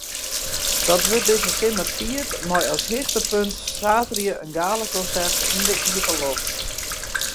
Dat wurdt dizze simmer fierd mei as hichtepunt saterdei in galakonsert yn de iepenloft.